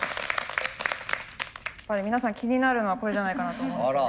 これ皆さん気になるのはこれじゃないかなと思うんですよね。